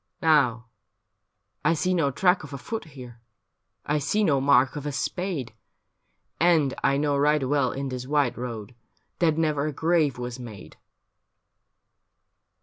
' Now, I see no track of a foot here, I see no mark of a spade, And I know right well in this white road That never a grave was made.'